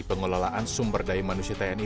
pengelolaan sumber daya manusia tni